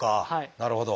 なるほど。